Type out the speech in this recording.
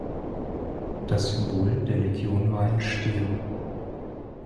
Das Symbol der Legion war ein Stier.